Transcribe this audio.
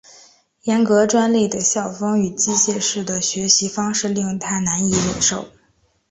严格专制的校风与机械式的学习方式令他难以忍受。